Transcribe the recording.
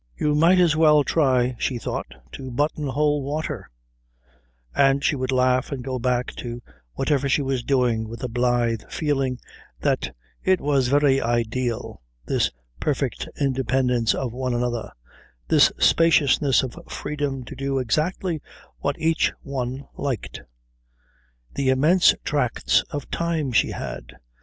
You might as well try, she thought, to buttonhole water; and she would laugh and go back to whatever she was doing with a blithe feeling that it was very ideal, this perfect independence of one another, this spaciousness of freedom to do exactly what each one liked. The immense tracts of time she had!